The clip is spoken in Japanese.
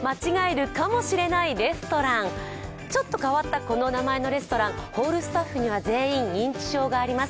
ちょっと変わったこの名前のレストランホールスタッフには全員認知症があります。